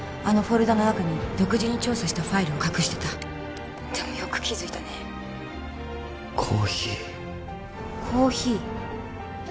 あのフォルダの中に独自に調査したファイルを隠してた☎でもよく気づいたねコーヒーコーヒー？